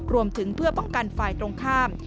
รวมถึงเพื่อป้องกันฝ่ายตรงข้าม